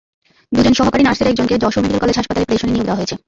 দুজন সহকারী নার্সের একজনকে যশোর মেডিকেল কলেজ হাসপাতালে প্রেষণে নিয়োগ দেওয়া হয়েছে।